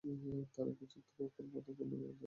তারা কি যুদ্ধ ছাড়া মক্কার পতন মেনে নিবে?